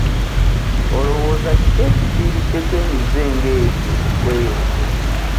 Olowooza kiki ekiviiriddeko emize nga egyo okweyongera?